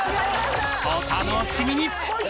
お楽しみに！